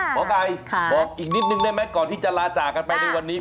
หมอไก่บอกอีกนิดนึงได้ไหมก่อนที่จะลาจากกันไปในวันนี้